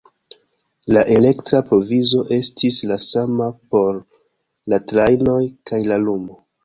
La elektra provizo estis la sama por la trajnoj kaj la lumo.